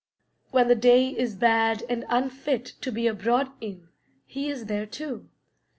When the day is bad and unfit to be abroad in, he is there too.